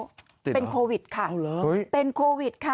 ติดเหรอเอ้าเหรอเป็นโควิดค่ะเป็นโควิดค่ะ